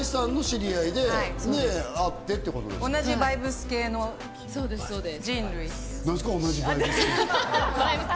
同じバイブス系の人で。